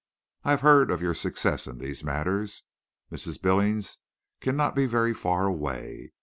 I have heard of your success in these matters. Mrs. Billings cannot be very far away.